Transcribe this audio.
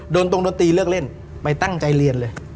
ตรงดนตรีเลือกเล่นไปตั้งใจเรียนเลย